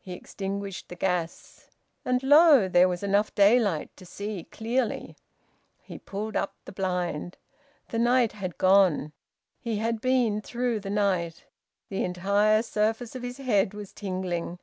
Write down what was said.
He extinguished the gas, and lo! there was enough daylight to see clearly. He pulled up the blind. The night had gone. He had been through the night. The entire surface of his head was tingling.